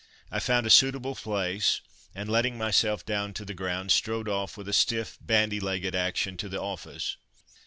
I found a suitable place and, letting myself down to the ground, strode off with a stiff bandy legged action to the office.